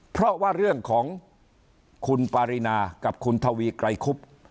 เพราะว่าเรื่องของคุณปารินากับคุณทวีไกรคุบ